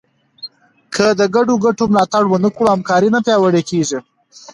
که د ګډو ګټو ملاتړ ونه کړې، همکاري نه پیاوړې کېږي.